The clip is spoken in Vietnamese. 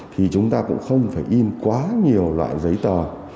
thì chúng ta cũng không phải in quá nhiều loại giấy tờ